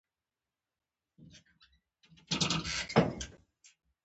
هندوانه د بهرنۍ سوداګرۍ برخه ده.